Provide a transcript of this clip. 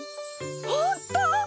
ほんとう！？